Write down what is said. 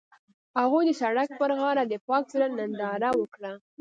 هغوی د سړک پر غاړه د پاک زړه ننداره وکړه.